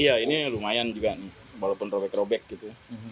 iya ini lumayan juga walaupun robek robek gitu